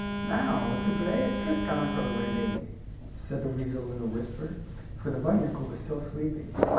"Now to play a trick on Uncle Wiggily," said the weasel in a whisper, for the bunny uncle was still sleeping.